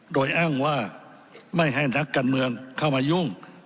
โดยอ้างว่าไม่ให้นักการเมืองเข้ามายุ่ง